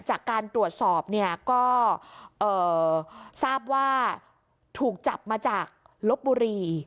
จากการตรวจสอบเนี่ยก็ทราบว่าถูกจับมาจากลบบุรี